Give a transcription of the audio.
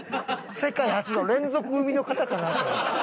世界初の連続産みの方かなと。